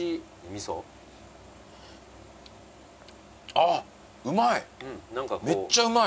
あっうまい！